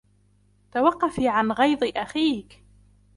توقفي عن غيظ أخيكِ!